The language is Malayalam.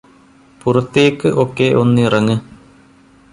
പുറത്തേക്ക് ഒക്കെ ഒന്നിറങ്ങ്